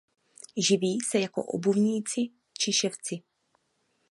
Živí se jako obuvníci či ševci.